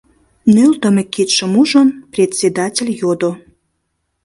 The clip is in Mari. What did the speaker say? Нӧлтымӧ кидшым ужын, председатель йодо: